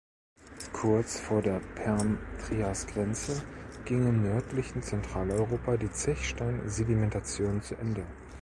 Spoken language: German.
Kurz vor der Perm-Trias-Grenze ging im nördlichen Zentraleuropa die Zechstein-Sedimentation zu Ende.